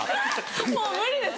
もう無理です